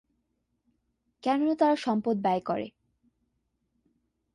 কেননা তারা সম্পদ ব্যয় করে।